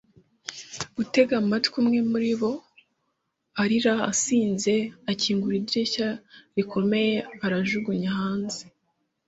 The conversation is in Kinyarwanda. gutega amatwi, umwe muribo, arira asinze, akingura idirishya rikomeye arajugunya hanze